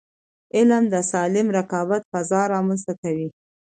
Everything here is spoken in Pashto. علم د سالم رقابت فضا رامنځته کوي.